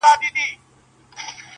• په اووه زورورو ورځو کي کيسه ده,